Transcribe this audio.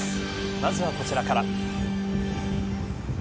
まずは、こちらから。